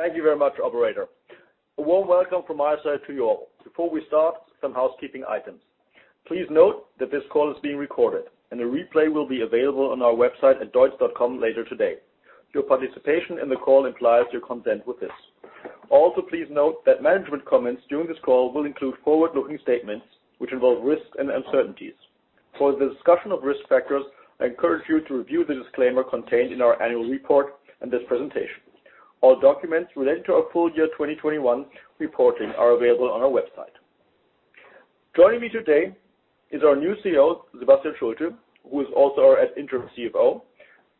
Thank you very much, Operator. A warm welcome from my side to you all. Before we start, some housekeeping items. Please note that this call is being recorded, and a replay will be available on our website at deutz.com later today. Your participation in the call implies your consent with this. Also, please note that management comments during this call will include forward-looking statements which involve risks and uncertainties. For the discussion of risk factors, I encourage you to review the disclaimer contained in our annual report and this presentation. All documents related to our full year 2021 reporting are available on our website. Joining me today is our new CEO, Sebastian Schulte, who is also our interim CFO,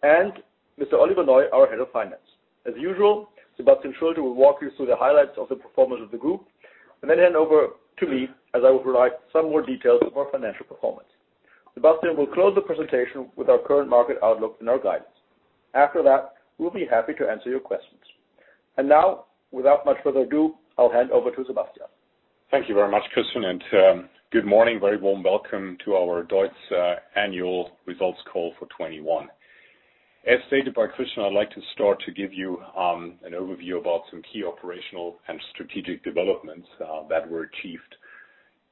and Mr. Oliver Neu, our Head of Finance. As usual, Sebastian Schulte will walk you through the highlights of the performance of the group, and then hand over to me, as I will provide some more details of our financial performance. Sebastian will close the presentation with our current market outlook and our guidance. After that, we will be happy to answer your questions. Now, without much further ado, I will hand over to Sebastian. Thank you very much, Christian, and good morning. Very warm welcome to our DEUTZ annual results call for 2021. As stated by Christian, I'd like to start to give you an overview about some key operational and strategic developments that were achieved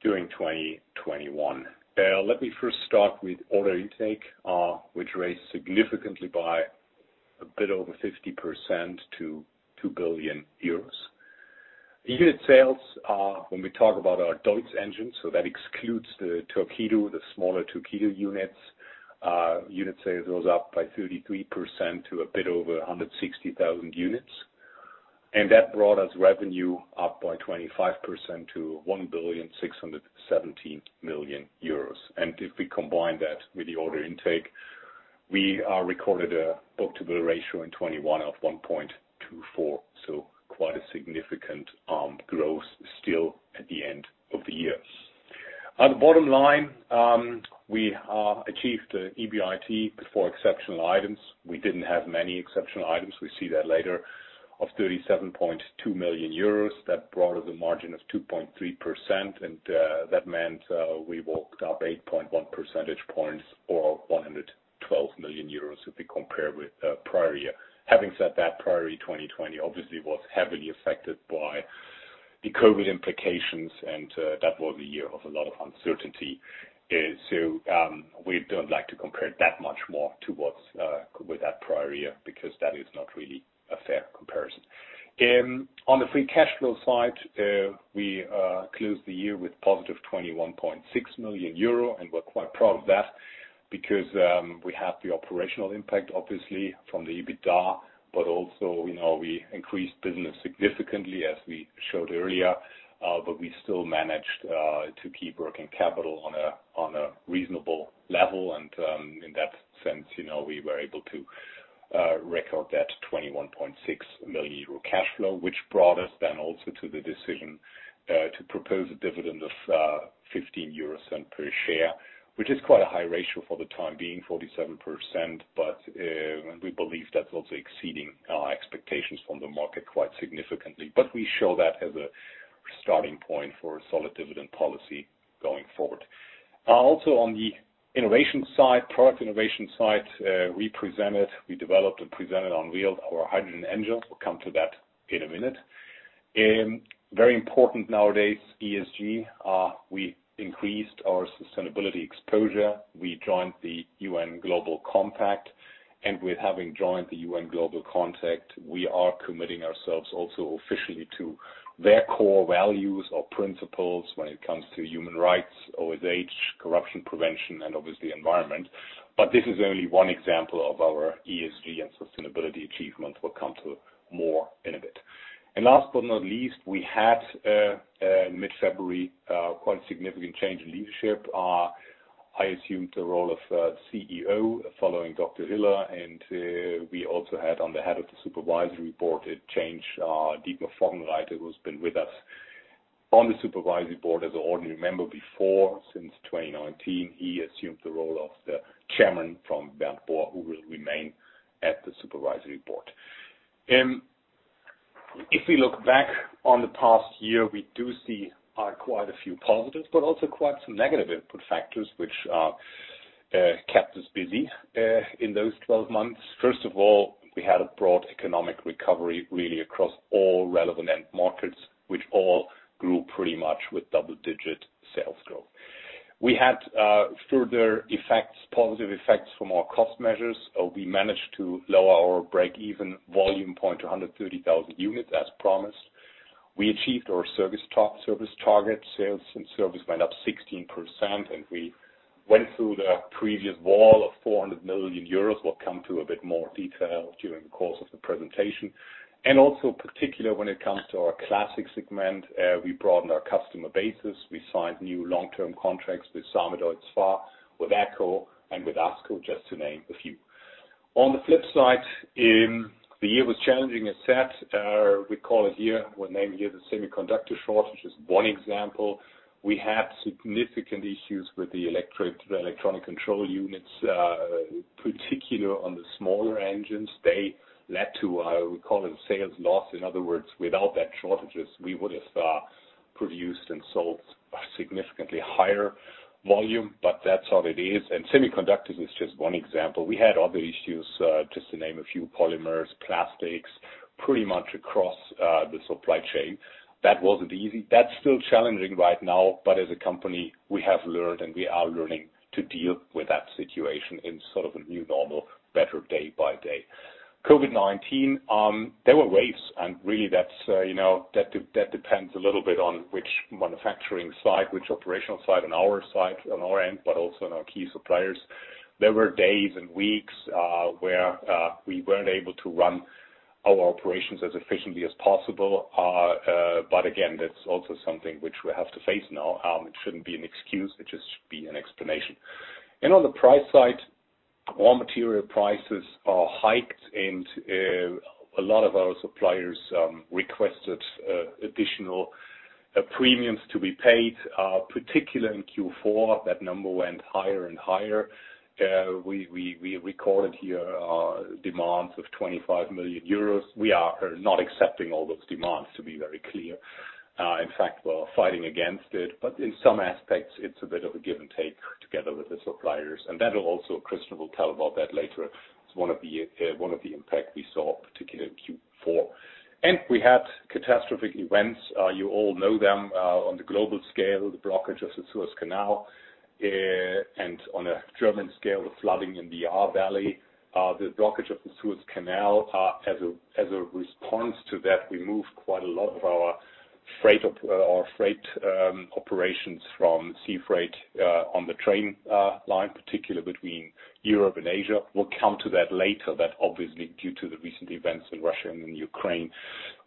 during 2021. Let me first start with order intake, which raised significantly by a bit over 50% to 2 billion euros. Unit sales, when we talk about our DEUTZ engine, so that excludes the Torqeedo, the smaller Torqeedo units, unit sales rose up by 33% to a bit over 160,000 units. That brought us revenue up by 25% to 1,617 million euros. If we combine that with the order intake, we recorded a book-to-bill ratio in 2021 of 1.24, so quite a significant growth still at the end of the year. On the bottom line, we achieved EBIT for exceptional items. We didn't have many exceptional items. We see that later, of 37.2 million euros. That brought us a margin of 2.3%, and that meant we walked up 8.1 percentage points or 112 million euros if we compare with the prior year. Having said that, prior year 2020 obviously was heavily affected by the COVID implications, and that was a year of a lot of uncertainty. We do not like to compare that much more with that prior year because that is not really a fair comparison. On the free cash flow side, we closed the year with positive 21.6 million euro, and we are quite proud of that because we have the operational impact, obviously, from the EBITDA, but also we increased business significantly, as we showed earlier, but we still managed to keep working capital on a reasonable level. In that sense, we were able to record that 21.6 million euro cash flow, which brought us then also to the decision to propose a dividend of 1.5 euro per share, which is quite a high ratio for the time being, 47%, but we believe that's also exceeding our expectations from the market quite significantly. We show that as a starting point for solid dividend policy going forward. Also, on the innovation side, product innovation side, we presented, we developed, and presented, unreal, our hydrogen engine. We'll come to that in a minute. Very important nowadays, ESG. We increased our sustainability exposure. We joined the UN Global Compact, and with having joined the UN Global Compact, we are committing ourselves also officially to their core values or principles when it comes to human rights, OSH, corruption prevention, and obviously environment. This is only one example of our ESG and sustainability achievements. We'll come to more in a bit. Last but not least, we had, in mid-February, quite a significant change in leadership. I assumed the role of CEO following Dr. Hiller, and we also had, on the head of the supervisory board, a change, Dietmar Vogelreiter, who has been with us on the supervisory board as an ordinary member before, since 2019. He assumed the role of the chairman from Bernboa, who will remain at the supervisory board. If we look back on the past year, we do see quite a few positives, but also quite some negative input factors which kept us busy in those 12 months. First of all, we had a broad economic recovery really across all relevant end markets, which all grew pretty much with double-digit sales growth. We had further effects, positive effects from our cost measures. We managed to lower our break-even volume point to 130,000 units as promised. We achieved our service target. Sales and service went up 16%, and we went through the previous wall of 400 million euros. We will come to a bit more detail during the course of the presentation. Also, particularly when it comes to our classic segment, we broadened our customer basis. We signed new long-term contracts with Samuel, with SPHA, with ECCO, and with ASCO, just to name a few. On the flip side, the year was challenging, as said. We call it here, we will name here the semiconductor shortage, is one example. We had significant issues with the electronic control units, particularly on the smaller engines. They led to, we call it, sales loss. In other words, without that shortages, we would have produced and sold significantly higher volume, but that's how it is. Semiconductors is just one example. We had other issues, just to name a few, polymers, plastics, pretty much across the supply chain. That was not easy. That is still challenging right now, but as a company, we have learned and we are learning to deal with that situation in sort of a new normal, better day-by-day. COVID-19, there were waves, and really that depends a little bit on which manufacturing side, which operational side on our side, on our end, but also on our key suppliers. There were days and weeks where we were not able to run our operations as efficiently as possible. That is also something which we have to face now. It should not be an excuse. It just should be an explanation. On the price side, raw material prices are hiked, and a lot of our suppliers requested additional premiums to be paid, particularly in Q4. That number went higher and higher. We recorded here demands of 25 million euros. We are not accepting all those demands, to be very clear. In fact, we're fighting against it. In some aspects, it's a bit of a give and take together with the suppliers. That will also, Christian will tell about that later, be one of the impacts we saw, particularly in Q4. We had catastrophic events. You all know them. On the global scale, the blockage of the Suez Canal, and on a German scale, the flooding in the Ahr Valley. The blockage of the Suez Canal, as a response to that, we moved quite a lot of our freight operations from sea freight on the train line, particularly between Europe and Asia. We will come to that later. That obviously, due to the recent events in Russia and in Ukraine,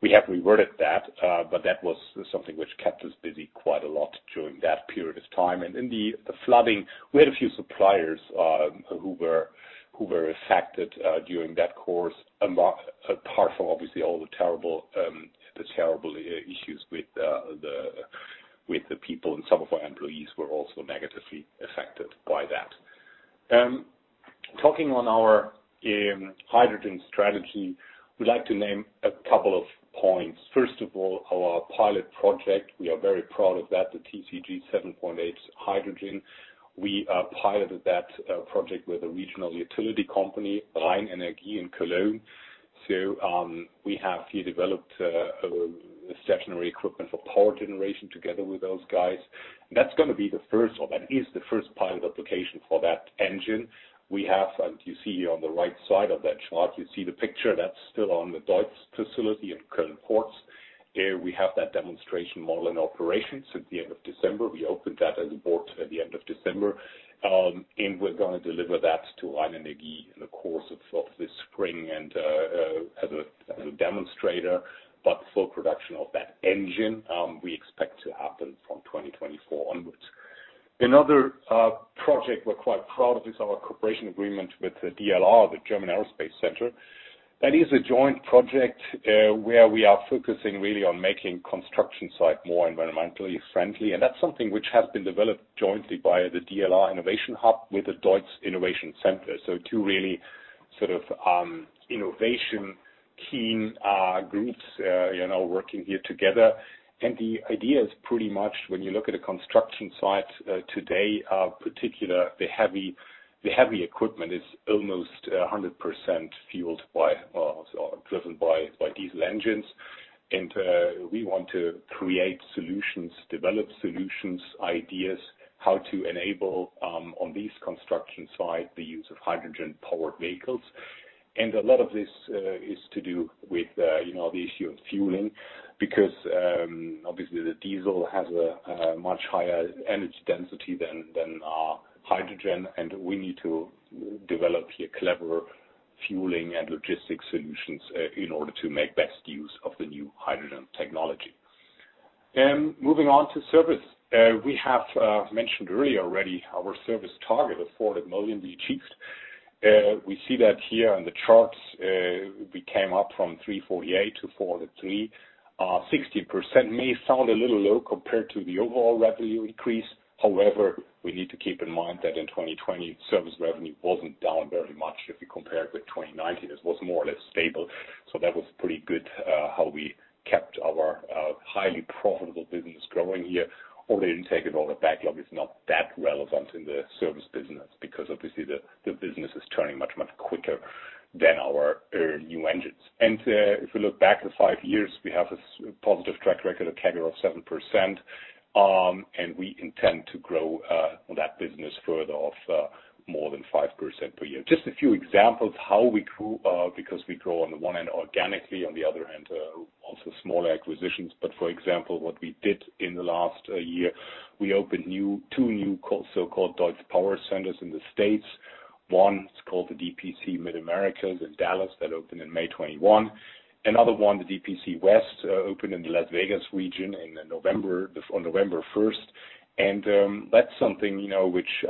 we have reverted that, but that was something which kept us busy quite a lot during that period of time. In the flooding, we had a few suppliers who were affected during that course, apart from obviously all the terrible issues with the people, and some of our employees were also negatively affected by that. Talking on our hydrogen strategy, we would like to name a couple of points. First of all, our pilot project, we are very proud of that, the TCG 7.8 hydrogen. We piloted that project with a regional utility company, RheinEnergie in Cologne. We have here developed stationary equipment for power generation together with those guys. That is going to be the first, or that is the first pilot application for that engine. We have, and you see here on the right side of that chart, you see the picture that is still on the DEUTZ facility in Köln-Porz. We have that demonstration model in operation since the end of December. We opened that as a board at the end of December, and we are going to deliver that to RheinEnergie in the course of this spring as a demonstrator. Full production of that engine we expect to happen from 2024 onwards. Another project we are quite proud of is our cooperation agreement with the DLR, the German Aerospace Center. That is a joint project where we are focusing really on making construction sites more environmentally friendly. That is something which has been developed jointly by the DLR Innovation Hub with the DEUTZ Innovation Center. Two really sort of innovation-key groups working here together. The idea is pretty much, when you look at a construction site today, particularly the heavy equipment is almost 100% fueled by or driven by diesel engines. We want to create solutions, develop solutions, ideas how to enable on these construction sites the use of hydrogen-powered vehicles. A lot of this is to do with the issue of fueling because obviously the diesel has a much higher energy density than hydrogen, and we need to develop here clever fueling and logistics solutions in order to make best use of the new hydrogen technology. Moving on to service, we have mentioned earlier already our service target, a 400 million be achieved. We see that here on the charts. We came up from 348%-403. 60% may sound a little low compared to the overall revenue increase. However, we need to keep in mind that in 2020, service revenue was not down very much. If we compare it with 2019, it was more or less stable. That was pretty good how we kept our highly profitable business growing here. Although in tech and all, the backlog is not that relevant in the service business because obviously the business is turning much, much quicker than our new engines. If we look back to five years, we have a positive track record of a CAGR of 7%, and we intend to grow that business further of more than 5% per year. Just a few examples how we grew, because we grow on the one end organically, on the other hand, also smaller acquisitions. For example, what we did in the last year, we opened two new so-called DEUTZ Power Centers in the States. One is called the DPC Mid-Americas in Dallas that opened in May 2021. Another one, the DPC West, opened in the Las Vegas region on November 1st. That is something which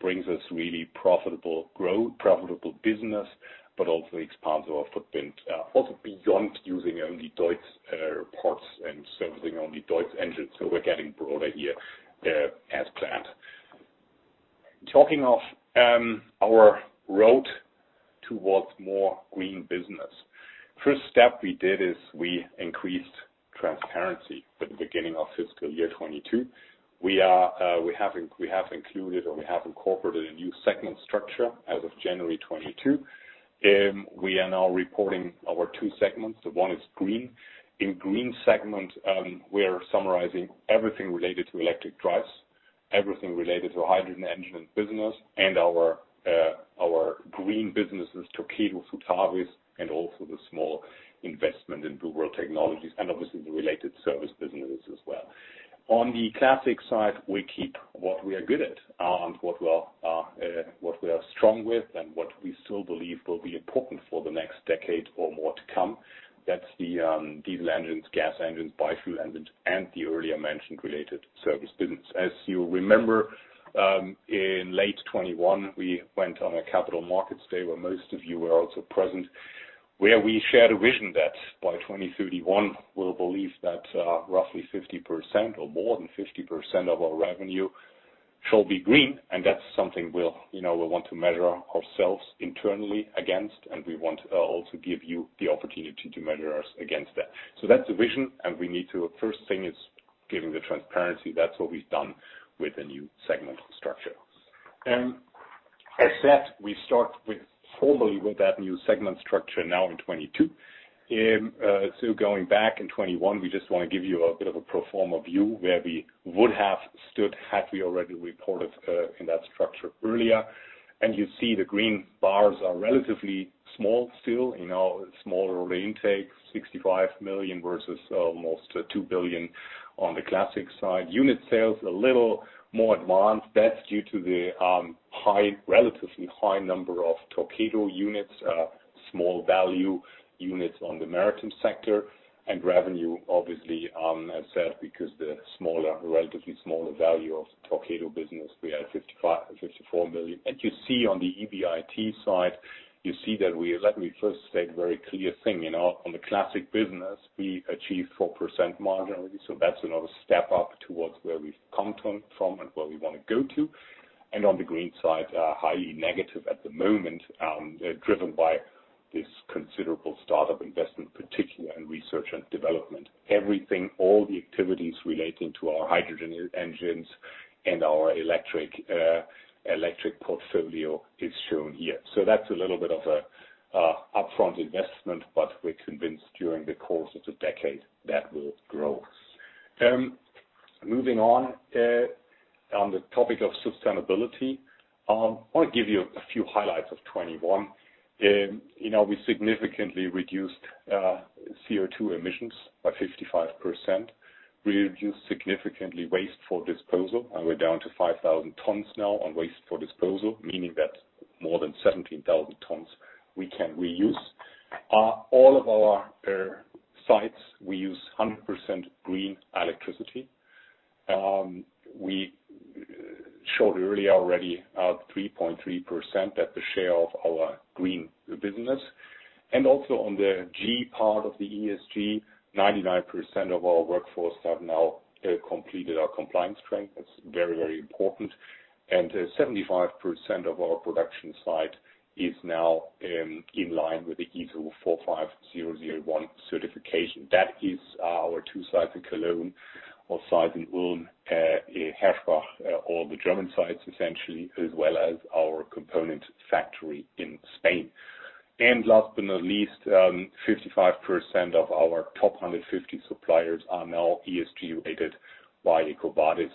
brings us really profitable growth, profitable business, but also expands our footprint also beyond using only DEUTZ parts and servicing only DEUTZ engines. We are getting broader here as planned. Talking of our road towards more green business, the first step we did is we increased transparency at the beginning of fiscal year 2022. We have included or we have incorporated a new segment structure as of January 2022. We are now reporting our two segments. The one is green. In the green segment, we are summarizing everything related to electric drives, everything related to hydrogen engine and business, and our green businesses, Torqueedo, Future Fit cost program, and also the small investment in Blue World Technologies and obviously the related service businesses as well. On the classic side, we keep what we are good at and what we are strong with and what we still believe will be important for the next decade or more to come. That's the diesel engines, gas engines, biofuel engines, and the earlier mentioned related service business. As you remember, in late 2021, we went on a capital markets day where most of you were also present, where we shared a vision that by 2031, we will believe that roughly 50% or more than 50% of our revenue shall be green. That's something we'll want to measure ourselves internally against, and we want also to give you the opportunity to measure us against that. That's the vision, and we need to, first thing is giving the transparency. That's what we've done with the new segment structure. As said, we start formally with that new segment structure now in 2022. Going back in 2021, we just want to give you a bit of a pro forma view where we would have stood had we already reported in that structure earlier. You see the green bars are relatively small still, smaller intake, 65 million versus almost 2 billion on the classic side. Unit sales a little more advanced. That's due to the relatively high number of Torqueedo units, small value units on the maritime sector, and revenue, obviously, as said, because the relatively smaller value of Torqueedo business, we had 54 million. You see on the EBIT side, you see that we first said a very clear thing. On the classic business, we achieved 4% margin already. That's another step up towards where we've come from and where we want to go to. On the green side, highly negative at the moment, driven by this considerable startup investment, particularly in research and development. Everything, all the activities relating to our hydrogen engines and our electric portfolio is shown here. That's a little bit of an upfront investment, but we're convinced during the course of the decade that will grow. Moving on on the topic of sustainability, I want to give you a few highlights of 2021. We significantly reduced CO2 emissions by 55%. We reduced significantly waste for disposal, and we're down to 5,000 tons now on waste for disposal, meaning that more than 17,000 tons we can reuse. All of our sites, we use 100% green electricity. We showed earlier already 3.3% that the share of our green business. Also on the G part of the ESG, 99% of our workforce have now completed our compliance training. That's very, very important. 75% of our production site is now in line with the ISO 45001 certification. That is our two sites in Cologne, our site in Ulm, Hersbach, all the German sites essentially, as well as our component factory in Spain. Last but not least, 55% of our top 150 suppliers are now ESG rated by Ecovadis.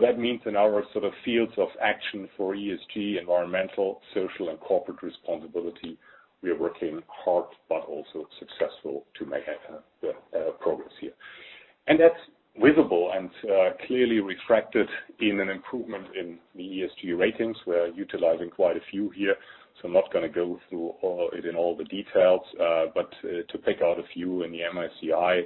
That means in our sort of fields of action for ESG, environmental, social, and corporate responsibility, we are working hard, but also successful to make progress here. That is visible and clearly reflected in an improvement in the ESG ratings. We are utilizing quite a few here. I am not going to go through it in all the details, but to pick out a few, in the MSCI,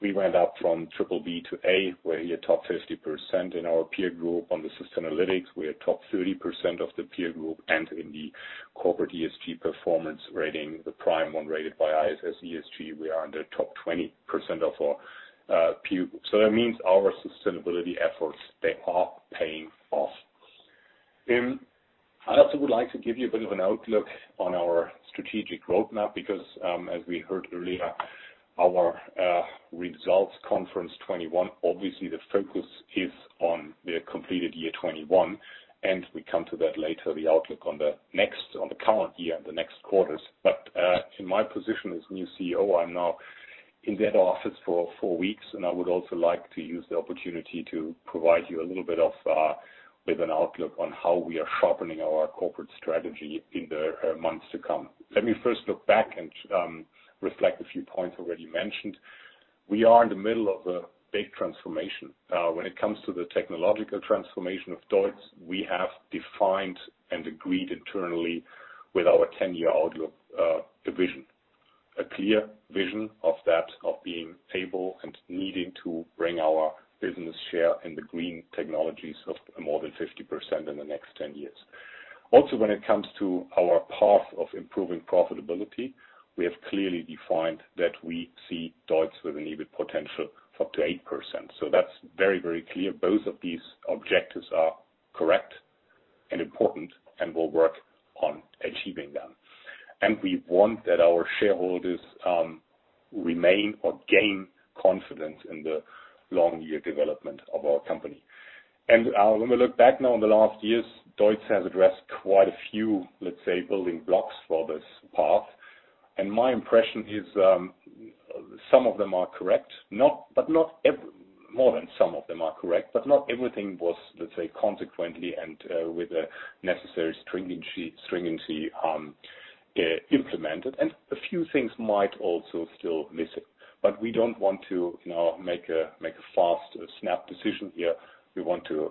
we went up from BBB to A. We are top 50% in our peer group on the Sustainalytics. We are top 30% of the peer group. In the corporate ESG performance rating, the prime one rated by ISS ESG, we are in the top 20% of our peer group. That means our sustainability efforts, they are paying off. I also would like to give you a bit of an outlook on our strategic roadmap because as we heard earlier, our results conference 2021, obviously the focus is on the completed year 2021, and we come to that later, the outlook on the next, on the current year and the next quarters. In my position as new CEO, I'm now in that office for four weeks, and I would also like to use the opportunity to provide you a little bit of an outlook on how we are sharpening our corporate strategy in the months to come. Let me first look back and reflect a few points already mentioned. We are in the middle of a big transformation. When it comes to the technological transformation of DEUTZ, we have defined and agreed internally with our 10-year outlook division, a clear vision of that of being able and needing to bring our business share in the green technologies of more than 50% in the next 10 years. Also, when it comes to our path of improving profitability, we have clearly defined that we see DEUTZ with an EBIT potential of up to 8%. That is very, very clear. Both of these objectives are correct and important and will work on achieving them. We want that our shareholders remain or gain confidence in the long-year development of our company. When we look back now in the last years, DEUTZ has addressed quite a few, let's say, building blocks for this path. My impression is some of them are correct, but more than some of them are correct, but not everything was, let's say, consequently and with a necessary stringency implemented. A few things might also still miss it. We do not want to make a fast, snap decision here. We want to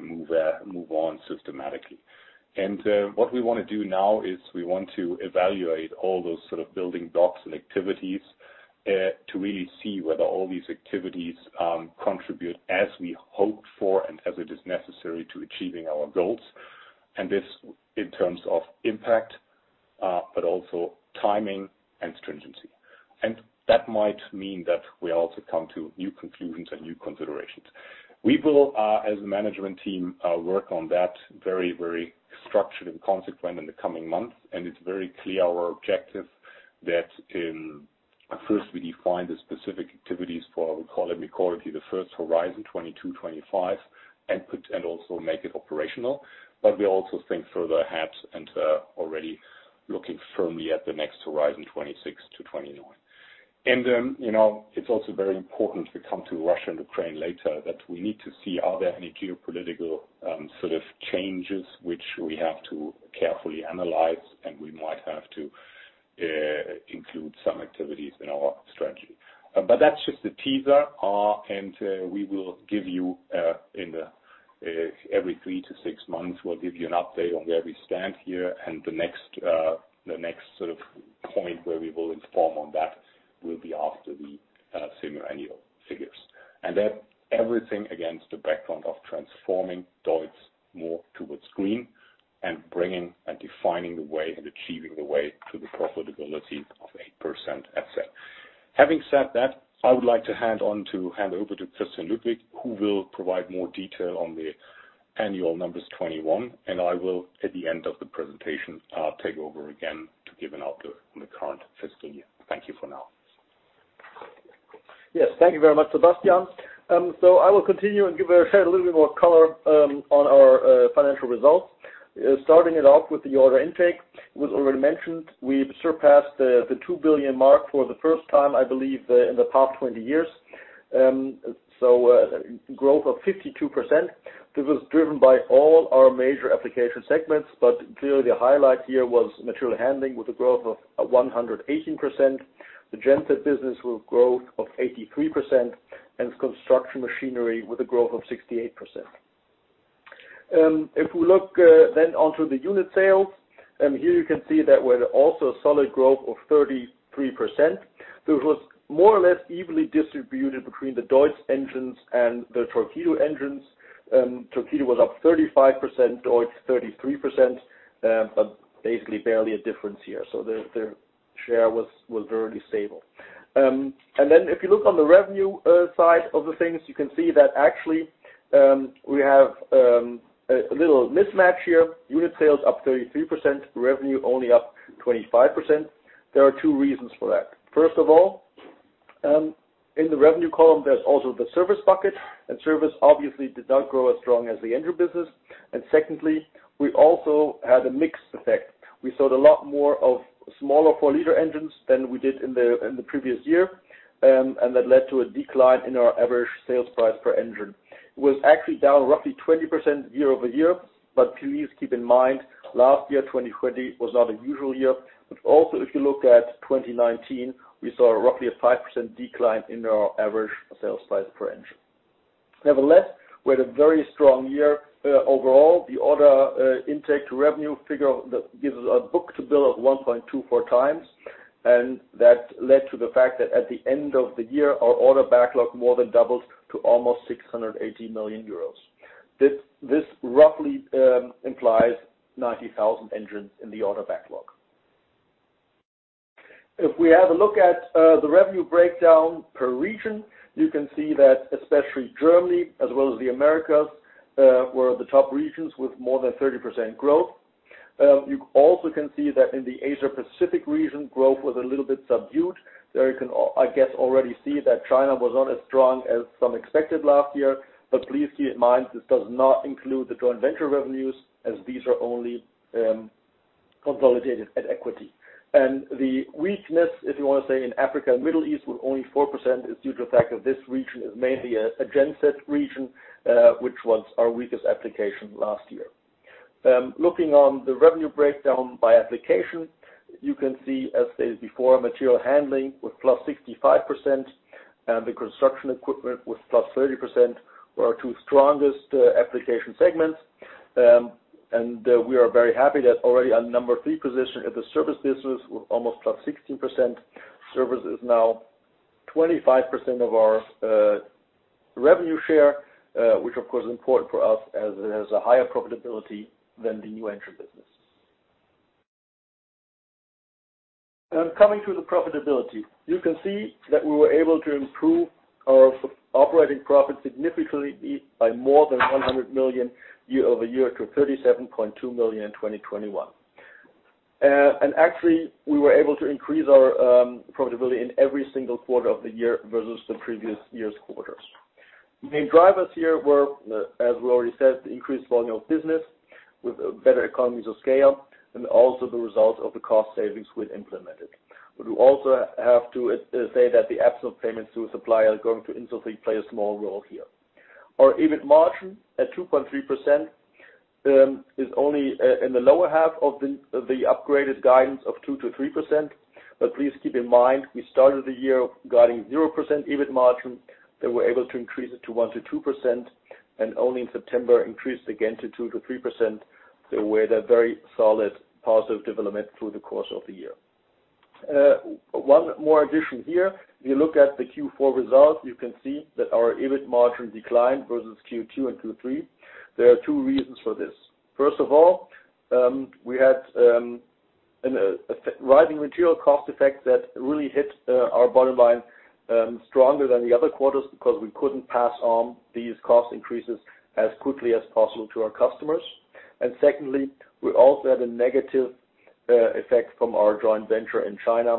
move on systematically. What we want to do now is we want to evaluate all those sort of building blocks and activities to really see whether all these activities contribute as we hope for and as it is necessary to achieving our goals. This is in terms of impact, but also timing and stringency. That might mean that we also come to new conclusions and new considerations. We will, as a management team, work on that very, very structured and consequent in the coming months. It is very clear our objective that first we define the specific activities for, we call it, we call it the first horizon, 2022-2025, and also make it operational. We also think further ahead and already look firmly at the next horizon, 2026-2029. It is also very important to come to Russia and Ukraine later that we need to see are there any geopolitical sort of changes which we have to carefully analyze, and we might have to include some activities in our strategy. That is just a teaser. We will give you in every three to six months, we will give you an update on where we stand here. The next sort of point where we will inform on that will be after the semi-annual figures. That everything against the background of transforming DEUTZ more towards green and bringing and defining the way and achieving the way to the profitability of 8%, etc. Having said that, I would like to hand over to Christian Ludwig, who will provide more detail on the annual numbers 2021. I will, at the end of the presentation, take over again to give an outlook on the current fiscal year. Thank you for now. Yes, thank you very much, Sebastian. I will continue and share a little bit more color on our financial results. Starting it off with the order intake, it was already mentioned, we surpassed the 2 billion mark for the first time, I believe, in the past 20 years. Growth of 52%. This was driven by all our major application segments, but clearly the highlight here was material handling with a growth of 118%, the genset business with a growth of 83%, and construction machinery with a growth of 68%. If we look then onto the unit sales, here you can see that we are also a solid growth of 33%. This was more or less evenly distributed between the DEUTZ engines and the Torqueedo engines. Torqueedo was up 35%, DEUTZ 33%, but basically barely a difference here. The share was very stable. If you look on the revenue side of things, you can see that actually we have a little mismatch here. Unit sales up 33%, revenue only up 25%. There are two reasons for that. First of all, in the revenue column, there is also the service bucket. Service obviously did not grow as strong as the engine business. Secondly, we also had a mixed effect. We sold a lot more of smaller four-liter engines than we did in the previous year. That led to a decline in our average sales price per engine. It was actually down roughly 20% year-over-year. Please keep in mind, last year, 2020, was not a usual year. Also, if you look at 2019, we saw roughly a 5% decline in our average sales price per engine. Nevertheless, we had a very strong year overall. The order intake to revenue figure gives us a book-to-bill of 1.24 times. That led to the fact that at the end of the year, our order backlog more than doubled to almost 680 million euros. This roughly implies 90,000 engines in the order backlog. If we have a look at the revenue breakdown per region, you can see that especially Germany, as well as the Americas, were the top regions with more than 30% growth. You also can see that in the Asia-Pacific region, growth was a little bit subdued. There you can, I guess, already see that China was not as strong as some expected last year. Please keep in mind, this does not include the joint venture revenues, as these are only consolidated at equity. The weakness, if you want to say, in Africa and Middle East with only 4% is due to the fact that this region is mainly a genset region, which was our weakest application last year. Looking on the revenue breakdown by application, you can see, as stated before, material handling with +65%, and the construction equipment with +30% were our two strongest application segments. We are very happy that already our number three position at the service business with almost +16%, service is now 25% of our revenue share, which of course is important for us as it has a higher profitability than the new engine business. Coming to the profitability, you can see that we were able to improve our operating profit significantly by more than 100 million year-over-year to 37.2 million in 2021. Actually, we were able to increase our profitability in every single quarter of the year versus the previous year's quarters. The main drivers here were, as we already said, the increased volume of business with better economies of scale and also the result of the cost savings we'd implemented. We do also have to say that the absolute payments to a supplier are going to instantly play a small role here. Our EBIT margin at 2.3% is only in the lower half of the upgraded guidance of 2%-3%. Please keep in mind, we started the year guiding 0% EBIT margin. We were able to increase it to 1%-2%, and only in September increased again to 2%-3%. We had a very solid positive development through the course of the year. One more addition here. If you look at the Q4 result, you can see that our EBIT margin declined versus Q2 and Q3. There are two reasons for this. First of all, we had a rising material cost effect that really hit our bottom line stronger than the other quarters because we could not pass on these cost increases as quickly as possible to our customers. Secondly, we also had a negative effect from our joint venture in China.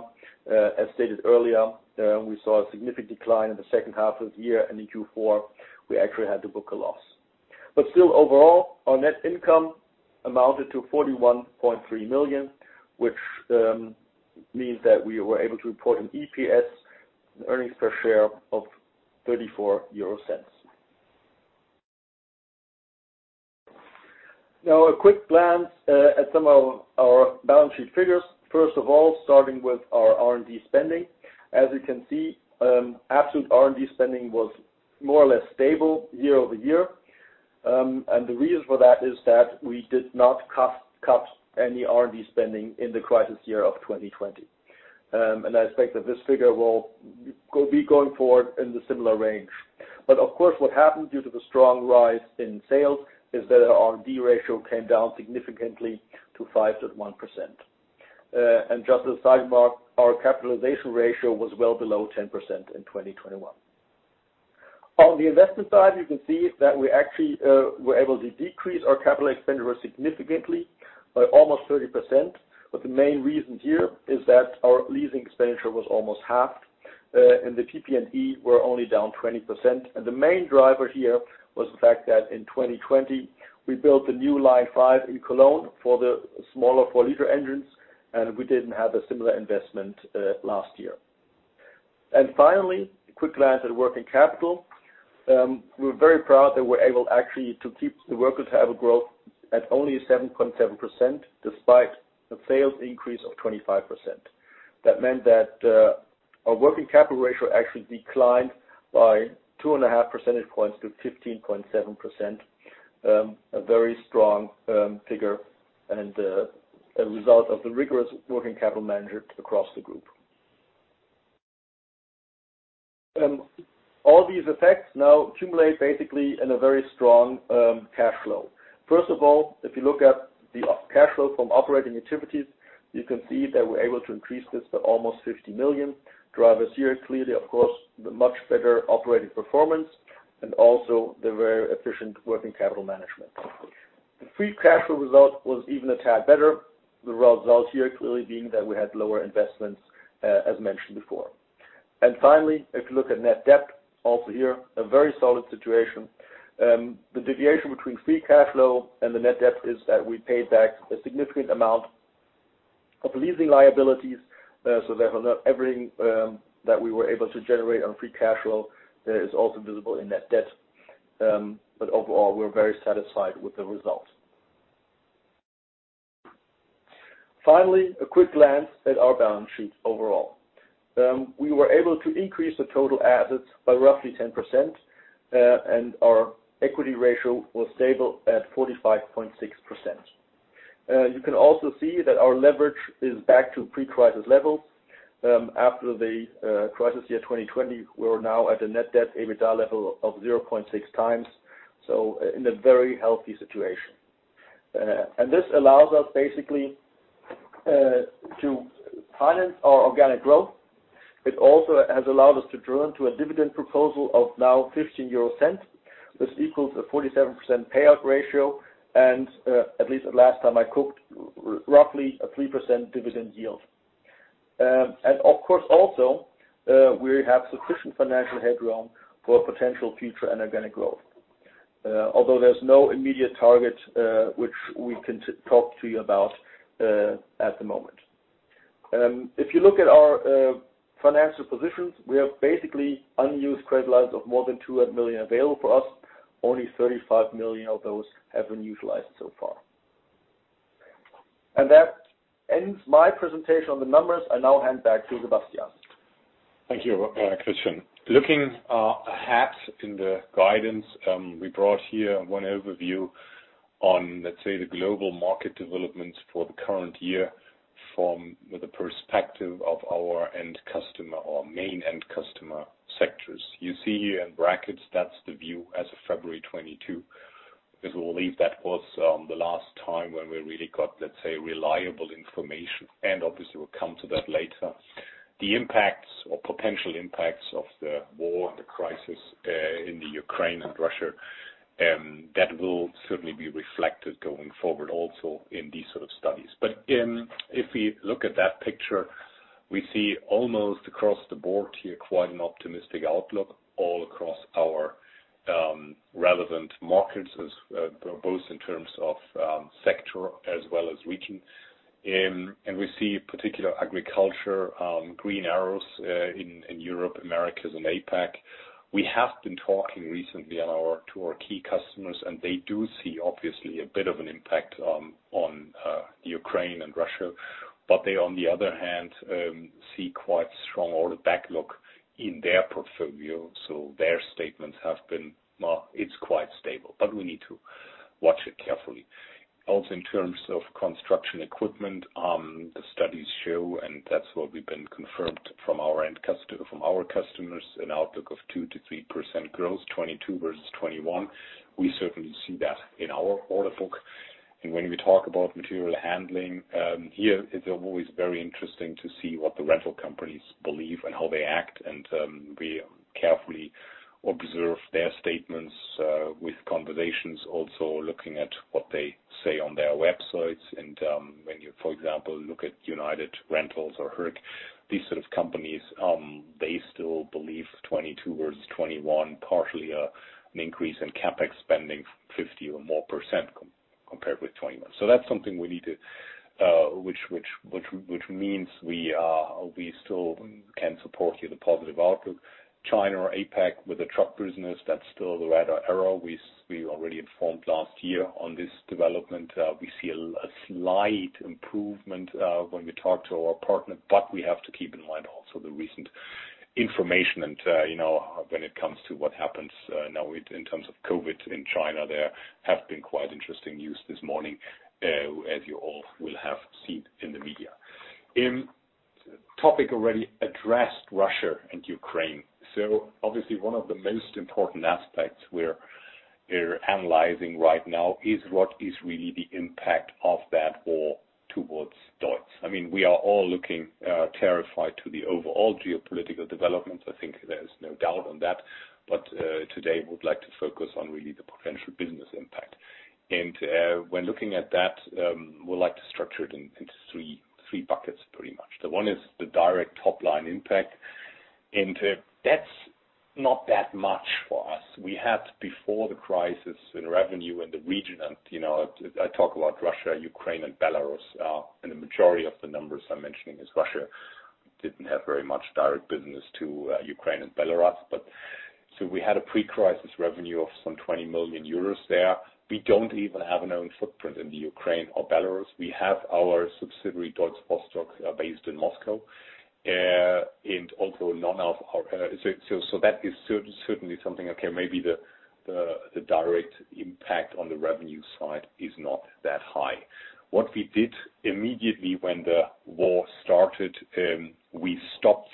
As stated earlier, we saw a significant decline in the second half of the year, and in Q4, we actually had to book a loss. Still, overall, our net income amounted to 41.3 million, which means that we were able to report an EPS, earnings per share, of 0.34. Now, a quick glance at some of our balance sheet figures. First of all, starting with our R&D spending. As you can see, absolute R&D spending was more or less stable year-over-ear. The reason for that is that we did not cut any R&D spending in the crisis year of 2020. I expect that this figure will be going forward in the similar range. Of course, what happened due to the strong rise in sales is that our R&D ratio came down significantly to 5.1%. Just as a sidebar, our capitalization ratio was well below 10% in 2021. On the investment side, you can see that we actually were able to decrease our capital expenditure significantly by almost 30%. The main reason here is that our leasing expenditure was almost halved. The PP&E were only down 20%. The main driver here was the fact that in 2020, we built the new line five in Cologne for the smaller four-liter engines, and we did not have a similar investment last year. Finally, a quick glance at working capital. We're very proud that we're able actually to keep the working capital growth at only 7.7% despite a sales increase of 25%. That meant that our working capital ratio actually declined by two and a half percentage points to 15.7%, a very strong figure and a result of the rigorous working capital management across the group. All these effects now accumulate basically in a very strong cash flow. First of all, if you look at the cash flow from operating activities, you can see that we're able to increase this by almost 50 million. Drivers here clearly, of course, the much better operating performance and also the very efficient working capital management. The free cash flow result was even a tad better, the result here clearly being that we had lower investments, as mentioned before. Finally, if you look at net debt, also here, a very solid situation. The deviation between free cash flow and the net debt is that we paid back a significant amount of leasing liabilities. Therefore, not everything that we were able to generate on free cash flow is also visible in net debt. Overall, we're very satisfied with the result. Finally, a quick glance at our balance sheet overall. We were able to increase the total assets by roughly 10%, and our equity ratio was stable at 45.6%. You can also see that our leverage is back to pre-crisis levels. After the crisis year 2020, we're now at a net debt EBITDA level of 0.6 times. In a very healthy situation. This allows us basically to finance our organic growth. It also has allowed us to turn to a dividend proposal of now 0.15, which equals a 47% payout ratio. At least the last time I checked, roughly a 3% dividend yield. Of course, also, we have sufficient financial headroom for potential future energetic growth, although there is no immediate target which we can talk to you about at the moment. If you look at our financial positions, we have basically unused credit lines of more than 200 million available for us. Only 35 million of those have been utilized so far. That ends my presentation on the numbers. I now hand back to Sebastian. Thank you, Christian. Looking ahead in the guidance, we brought here one overview on, let's say, the global market developments for the current year from the perspective of our end customer or main end customer sectors. You see here in brackets, that's the view as of February 2022. Because we believe that was the last time when we really got, let's say, reliable information. Obviously, we'll come to that later. The impacts or potential impacts of the war and the crisis in Ukraine and Russia, that will certainly be reflected going forward also in these sort of studies. If we look at that picture, we see almost across the board here, quite an optimistic outlook all across our relevant markets, both in terms of sector as well as region. We see particular agriculture, green arrows in Europe, Americas, and APAC. We have been talking recently to our key customers, and they do see obviously a bit of an impact on Ukraine and Russia. They, on the other hand, see quite strong order backlog in their portfolio. Their statements have been, well, it's quite stable, but we need to watch it carefully. Also in terms of construction equipment, the studies show, and that's what we've been confirmed from our customers, an outlook of 2%-3% growth, 2022 versus 2021. We certainly see that in our order book. When we talk about material handling here, it's always very interesting to see what the rental companies believe and how they act. We carefully observe their statements with conversations, also looking at what they say on their websites. When you, for example, look at United Rentals or HRC, these sort of companies, they still believe 2022 versus 2021, partially an increase in CapEx spending, 50% or more compared with 2021. That is something we need to, which means we still can support here the positive outlook. China or APAC with the truck business, that is still the red arrow. We already informed last year on this development. We see a slight improvement when we talk to our partner, but we have to keep in mind also the recent information. When it comes to what happens now in terms of COVID in China, there have been quite interesting news this morning, as you all will have seen in the media. Topic already addressed Russia and Ukraine. Obviously, one of the most important aspects we're analyzing right now is what is really the impact of that war towards DEUTZ. I mean, we are all looking terrified to the overall geopolitical developments. I think there's no doubt on that. Today, we'd like to focus on really the potential business impact. When looking at that, we'd like to structure it into three buckets pretty much. The one is the direct top-line impact. That's not that much for us. We had before the crisis in revenue in the region. I talk about Russia, Ukraine, and Belarus. The majority of the numbers I'm mentioning is Russia, didn't have very much direct business to Ukraine and Belarus. We had a pre-crisis revenue of some 20 million euros there. We don't even have an own footprint in Ukraine or Belarus. We have our subsidiary DEUTZ Postock based in Moscow. Also, none of our, so that is certainly something, okay, maybe the direct impact on the revenue side is not that high. What we did immediately when the war started, we stopped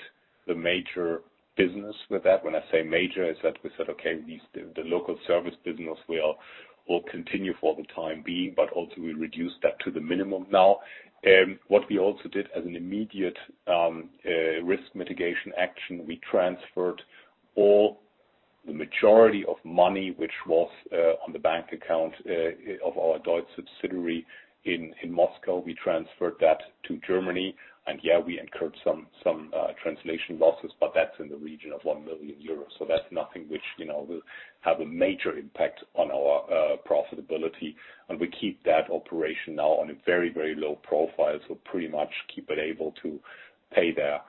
the major business with that. When I say major, it's that we said, okay, the local service business will continue for the time being, but also we reduced that to the minimum now. What we also did as an immediate risk mitigation action, we transferred all the majority of money which was on the bank account of our DEUTZ subsidiary in Moscow. We transferred that to Germany. Yeah, we incurred some translation losses, but that's in the region of 1 million euros. That is nothing which will have a major impact on our profitability. We keep that operation now on a very, very low profile. Pretty much keep it able to pay their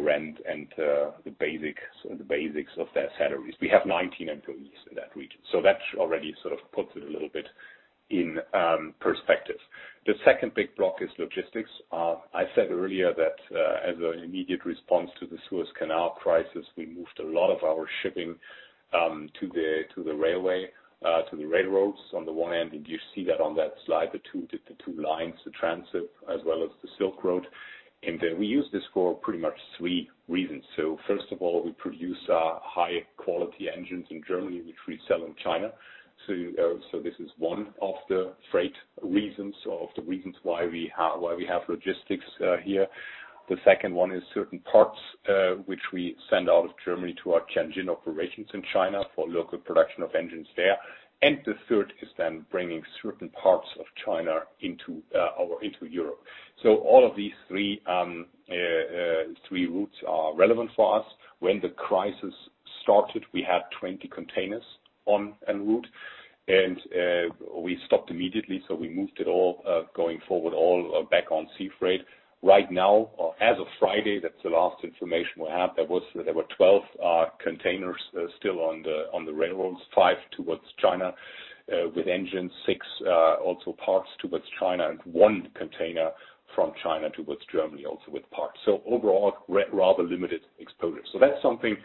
rent and the basics of their salaries. We have 19 employees in that region. That already sort of puts it a little bit in perspective. The second big block is logistics. I said earlier that as an immediate response to the Suez Canal crisis, we moved a lot of our shipping to the railway, to the railroads on the one end. You see that on that slide, the two lines, the transit as well as the Silk Road. We use this for pretty much three reasons. First of all, we produce high-quality engines in Germany, which we sell in China. This is one of the freight reasons, of the reasons why we have logistics here. The second one is certain parts which we send out of Germany to our Tianjin operations in China for local production of engines there. The third is then bringing certain parts of China into Europe. All of these three routes are relevant for us. When the crisis started, we had 20 containers en route. We stopped immediately. We moved it all going forward, all back on sea freight. Right now, as of Friday, that's the last information we have. There were 12 containers still on the railroads, five towards China with engines, six also parts towards China, and one container from China towards Germany also with parts. Overall, rather limited exposure. That is something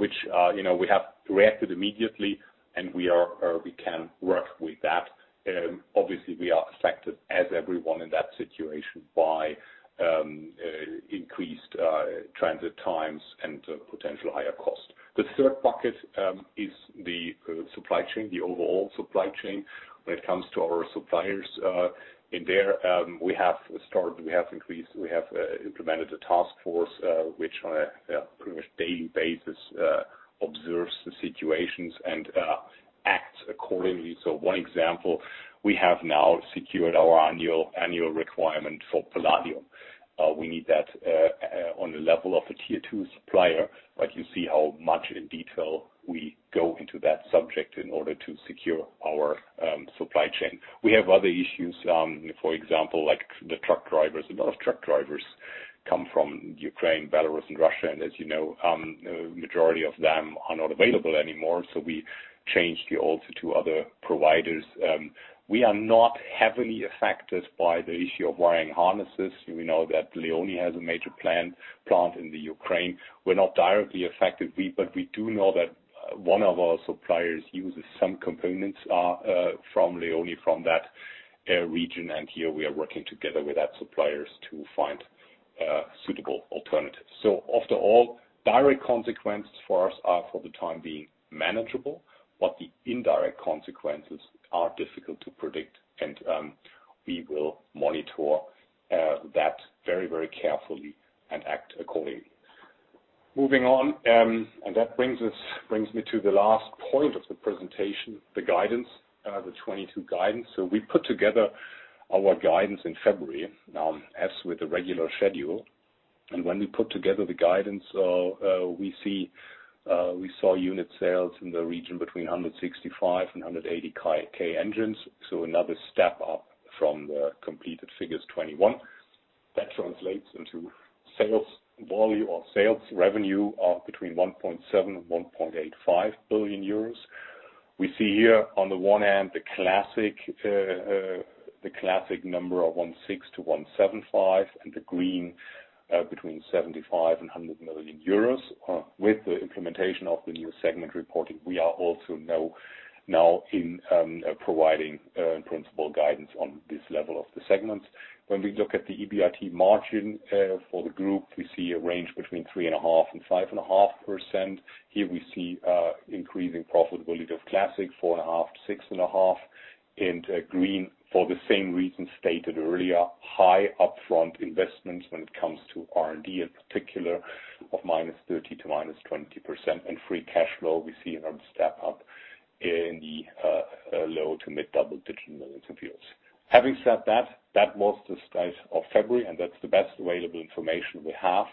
which we have reacted immediately, and we can work with that. Obviously, we are affected, as everyone in that situation, by increased transit times and potential higher cost. The third bucket is the supply chain, the overall supply chain. When it comes to our suppliers in there, we have started, we have increased, we have implemented a task force which on a pretty much daily basis observes the situations and acts accordingly. One example, we have now secured our annual requirement for palladium. We need that on the level of a tier two supplier. You see how much in detail we go into that subject in order to secure our supply chain. We have other issues, for example, like the truck drivers. A lot of truck drivers come from Ukraine, Belarus, and Russia. As you know, the majority of them are not available anymore. We changed the order to other providers. We are not heavily affected by the issue of wiring harnesses. We know that Leoni has a major plant in the Ukraine. We're not directly affected. We do know that one of our suppliers uses some components from Leoni from that region. Here, we are working together with that supplier to find suitable alternatives. After all, direct consequences for us are for the time being manageable. The indirect consequences are difficult to predict. We will monitor that very, very carefully and act accordingly. Moving on. That brings me to the last point of the presentation, the guidance, the 2022 guidance. We put together our guidance in February, as with the regular schedule. When we put together the guidance, we saw unit sales in the region between 165,000 and 180,000 engines. Another step up from the completed figures for 2021. That translates into sales volume or sales revenue between 1.7 billion and 1.85 billion euros. We see here on the one end, the classic number of 16-175, and the green between 75 million euros and 100 million euros. With the implementation of the new segment reporting, we are also now in providing principal guidance on this level of the segments. When we look at the EBIT margin for the group, we see a range between 3.5%-5.5%. Here we see increasing profitability of classic 4.5%-6.5%. And green for the same reason stated earlier, high upfront investments when it comes to R&D in particular of minus 30% to -20%. And free cash flow, we see another step up in the low to mid double digit millions of EUR. Having said that, that was the state of February. That's the best available information we have.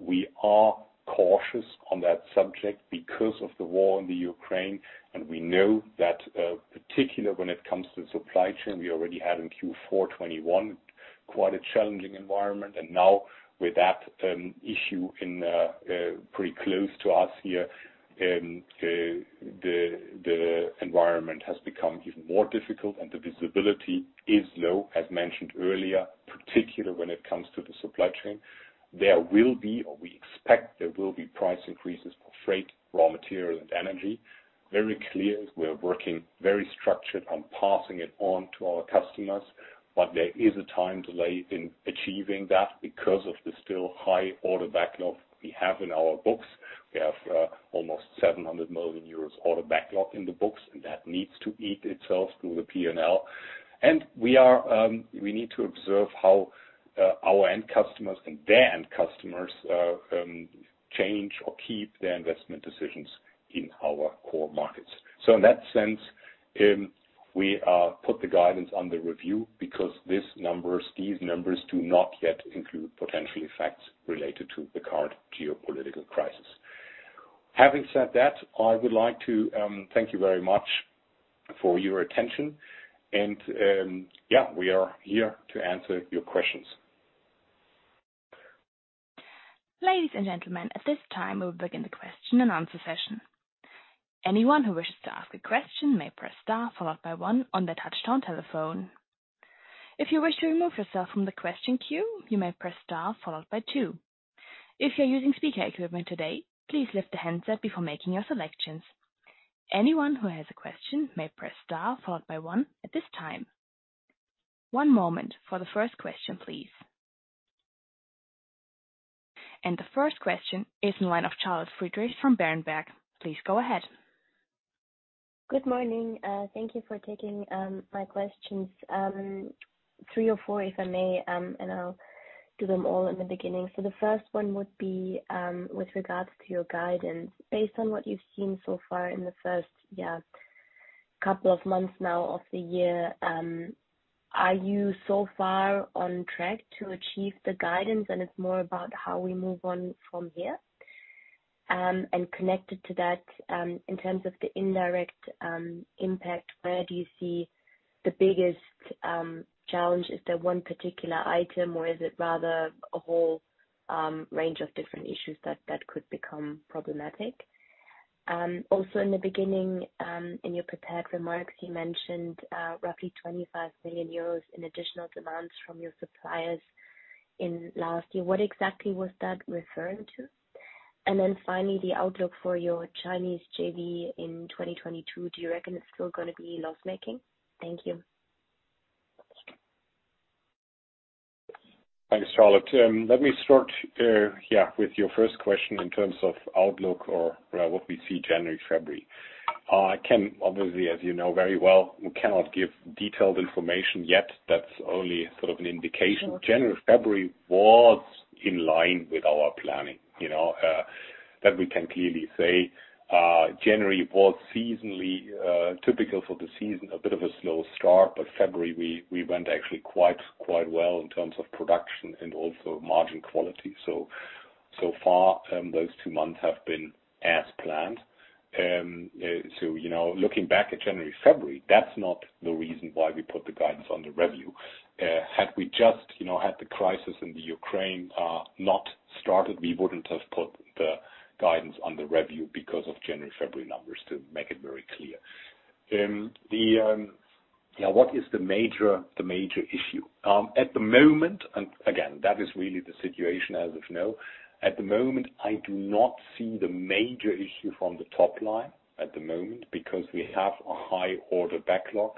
We are cautious on that subject because of the war in the Ukraine. We know that particularly when it comes to the supply chain, we already had in Q4 2021 quite a challenging environment. Now with that issue pretty close to us here, the environment has become even more difficult. The visibility is low, as mentioned earlier, particularly when it comes to the supply chain. There will be, or we expect there will be, price increases for freight, raw material, and energy. Very clear is we're working very structured on passing it on to our customers. There is a time delay in achieving that because of the still high order backlog we have in our books. We have almost 700 million euros order backlog in the books. That needs to eat itself through the P&L. We need to observe how our end customers and their end customers change or keep their investment decisions in our core markets. In that sense, we put the guidance under review because these numbers do not yet include potential effects related to the current geopolitical crisis. Having said that, I would like to thank you very much for your attention. Yeah, we are here to answer your questions. Ladies and gentlemen, at this time, we will begin the question and answer session. Anyone who wishes to ask a question may press star followed by one on their touch-tone telephone. If you wish to remove yourself from the question queue, you may press star followed by two. If you're using speaker equipment today, please lift the handset before making your selections. Anyone who has a question may press star followed by one at this time. One moment for the first question, please. The first question is in line of Charles Friedrich from Berenberg. Please go ahead. Good morning. Thank you for taking my questions, three or four if I may, and I'll do them all in the beginning. The first one would be with regards to your guidance. Based on what you've seen so far in the first, yeah, couple of months now of the year, are you so far on track to achieve the guidance? It's more about how we move on from here. Connected to that, in terms of the indirect impact, where do you see the biggest challenge? Is there one particular item, or is it rather a whole range of different issues that could become problematic? Also, in the beginning, in your prepared remarks, you mentioned roughly 25 million euros in additional demands from your suppliers in last year. What exactly was that referring to? Finally, the outlook for your Chinese JV in 2022, do you reckon it's still going to be loss-making? Thank you. Thanks, Charlotte. Let me start, yeah, with your first question in terms of outlook or what we see January, February. I can, obviously, as you know very well, we cannot give detailed information yet. That's only sort of an indication. January and February was in line with our planning. That we can clearly say. January was seasonally typical for the season, a bit of a slow start. February, we went actually quite well in terms of production and also margin quality. So far, those two months have been as planned. Looking back at January and February, that's not the reason why we put the guidance on the revenue. Had we just had the crisis in the Ukraine not started, we wouldn't have put the guidance on the revenue because of January and February numbers, to make it very clear. Now, what is the major issue? At the moment, again, that is really the situation as of now. At the moment, I do not see the major issue from the top line at the moment because we have a high order backlog.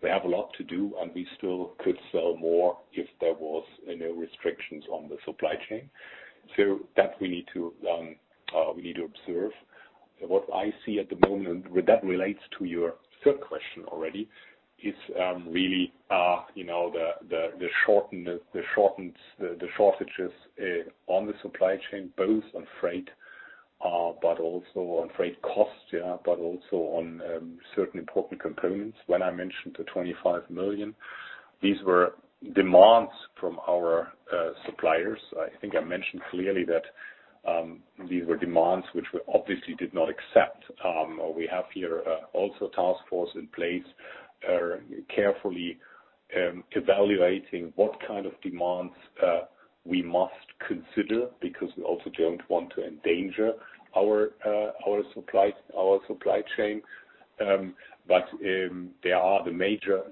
We have a lot to do, and we still could sell more if there were no restrictions on the supply chain. That we need to observe. What I see at the moment, and that relates to your third question already, is really the shortages on the supply chain, both on freight, but also on freight costs, but also on certain important components. When I mentioned the 25 million, these were demands from our suppliers. I think I mentioned clearly that these were demands which we obviously did not accept. We have here also a task force in place carefully evaluating what kind of demands we must consider because we also do not want to endanger our supply chain. The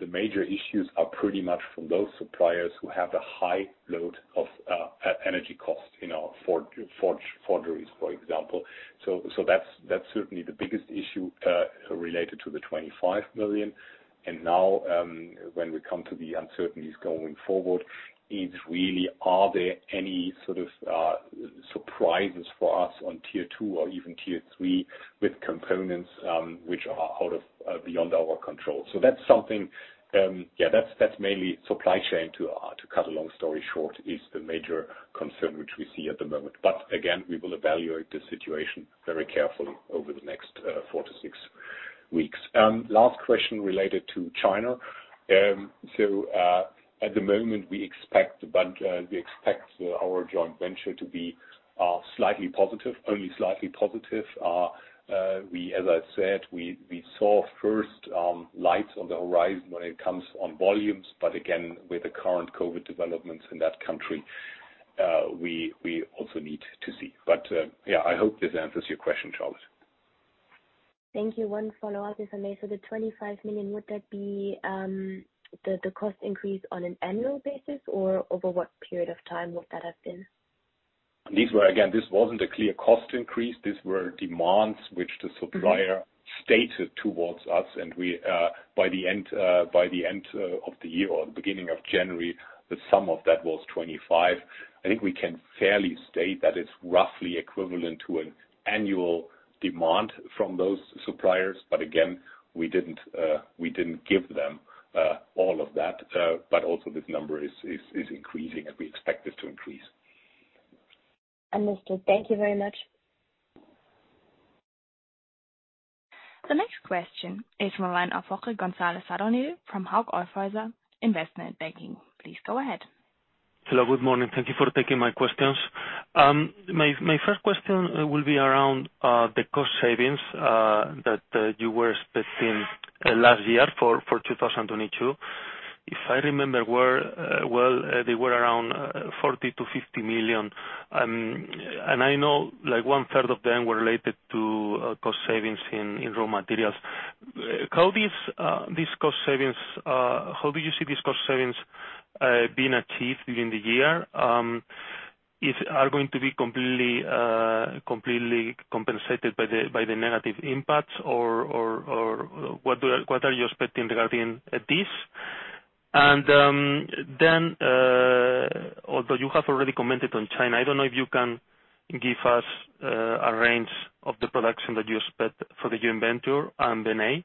major issues are pretty much from those suppliers who have a high load of energy costs in our forgeries, for example. That is certainly the biggest issue related to the 25 million. Now, when we come to the uncertainties going forward, it is really, are there any sort of surprises for us on tier two or even tier three with components which are beyond our control? That is something, yeah, that is mainly supply chain, to cut a long story short, is the major concern which we see at the moment. Again, we will evaluate the situation very carefully over the next four to six weeks. Last question related to China. At the moment, we expect our joint venture to be slightly positive, only slightly positive. As I said, we saw first lights on the horizon when it comes on volumes. Again, with the current COVID developments in that country, we also need to see. I hope this answers your question, Charlotte. Thank you. One follow-up, if I may. The 25 million, would that be the cost increase on an annual basis, or over what period of time would that have been? This was not a clear cost increase. These were demands which the supplier stated towards us. By the end of the year or the beginning of January, the sum of that was 25. I think we can fairly state that it's roughly equivalent to an annual demand from those suppliers. Again, we didn't give them all of that. Also, this number is increasing, and we expect this to increase. Understood. Thank you very much. The next question is from a line of Dr. Jorge González Sadornil from Hauck Aufhäuser Investment Banking. Please go ahead. Hello. Good morning. Thank you for taking my questions. My first question will be around the cost savings that you were expecting last year for 2022. If I remember well, they were around 40 million-50 million. I know one third of them were related to cost savings in raw materials. How do you see these cost savings being achieved during the year? Are they going to be completely compensated by the negative impacts, or what are you expecting regarding this? Although you have already commented on China, I don't know if you can give us a range of the production that you expect for the joint venture and then a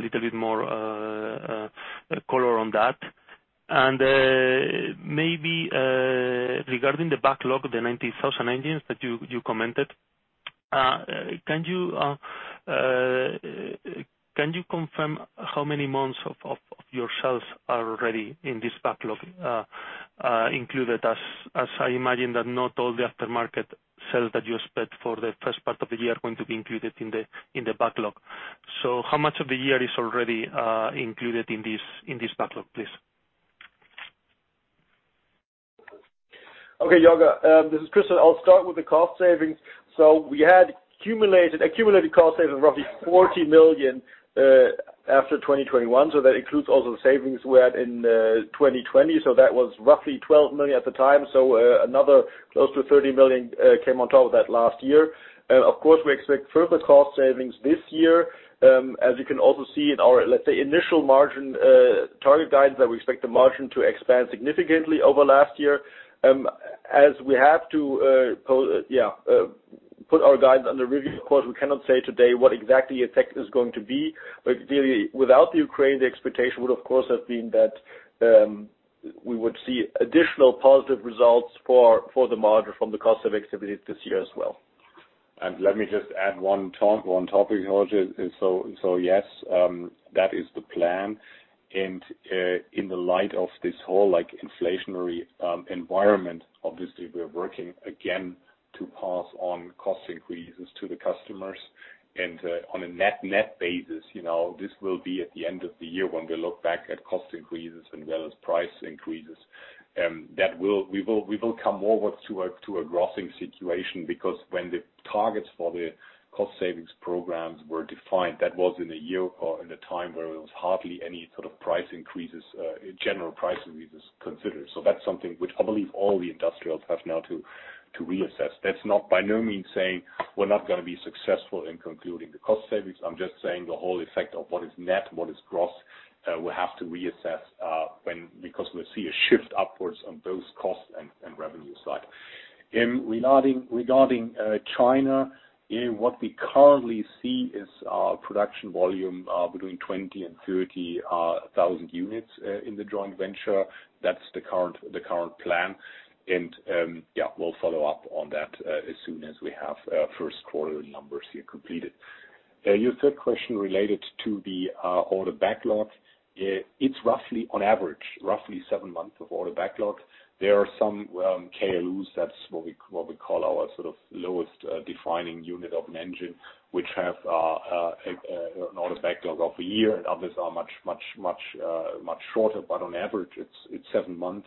little bit more color on that. Maybe regarding the backlog, the 90,000 engines that you commented, can you confirm how many months of your sales are already in this backlog included? I imagine that not all the aftermarket sales that you expect for the first part of the year are going to be included in the backlog. How much of the year is already included in this backlog, please? Okay, Yoga. This is Christian. I'll start with the cost savings. We had accumulated cost savings of roughly 40 million after 2021. That includes also the savings we had in 2020. That was roughly 12 million at the time. Another close to 30 million came on top of that last year. Of course, we expect further cost savings this year. As you can also see in our, let's say, initial margin target guidance, we expect the margin to expand significantly over last year. As we have to, yeah, put our guidance under review, of course, we cannot say today what exactly the effect is going to be. Clearly, without the Ukraine, the expectation would, of course, have been that we would see additional positive results for the margin from the cost of activity this year as well. Let me just add one topic also. Yes, that is the plan. In the light of this whole inflationary environment, obviously, we're working again to pass on cost increases to the customers. On a net basis, this will be at the end of the year when we look back at cost increases as well as price increases. We will come more towards a grossing situation because when the targets for the cost savings programs were defined, that was in a year or in a time where there was hardly any sort of general price increases considered. That is something which I believe all the industrials have now to reassess. That is not by no means saying we're not going to be successful in concluding the cost savings. I'm just saying the whole effect of what is net, what is gross, we have to reassess because we see a shift upwards on both cost and revenue side. Regarding China, what we currently see is production volume between 20,000 and 30,000 units in the joint venture. That is the current plan. Yeah, we'll follow up on that as soon as we have first quarter numbers here completed. Your third question related to the order backlog, it's roughly, on average, roughly seven months of order backlog. There are some KLUs, that's what we call our sort of lowest defining unit of an engine, which have an order backlog of a year. Others are much shorter. On average, it's seven months.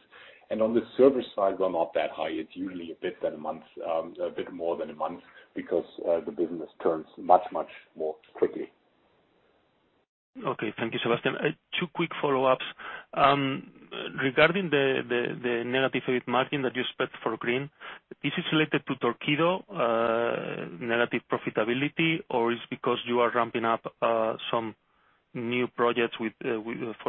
On the service side, we're not that high. It's usually a bit more than a month because the business turns much, much more quickly. Okay. Thank you, Sebastian. Two quick follow-ups. Regarding the negative margin that you expect for green, is it related to Torqueedo, negative profitability, or is it because you are ramping up some new projects for